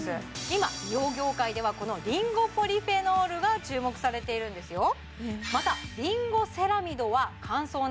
今美容業界ではこのリンゴポリフェノールが注目されているんですよ